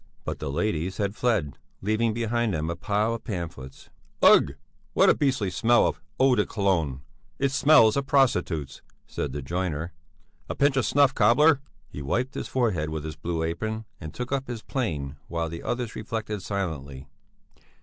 But the ladies had fled, leaving behind them a pile of pamphlets. "Ugh! What a beastly smell of eau de Cologne! It smells of prostitutes!" said the joiner. "A pinch of snuff, cobbler!" He wiped his forehead with his blue apron and took up his plane while the others reflected silently.